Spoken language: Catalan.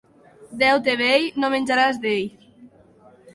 Deute vell, no menjaràs d'ell.